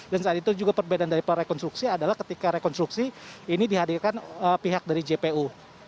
dan saat itu juga perbedaan dari prarekonstruksi adalah ketika rekonstruksi ini dihadirkan pihak dari jpu